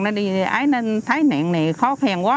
nó đi ái nên thái nạn này khó khèn quá